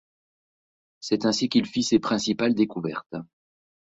C’est ainsi qu’il fit ses principales découvertes.